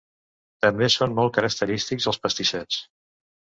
També són molt característics els pastissets.